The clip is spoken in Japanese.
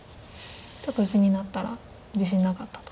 ちょっと地になったら自信なかったと。